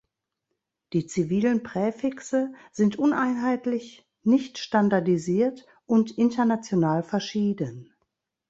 Die zivilen Präfixe sind uneinheitlich, nicht standardisiert und international verschieden.